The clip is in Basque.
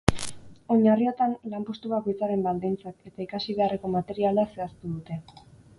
Oinarriotan, lan postu bakoitzaren baldintzak eta ikasi beharreko materiala zehaztu dute.